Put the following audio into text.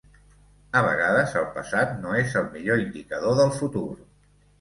A vegades el passat no és el millor indicador del futur.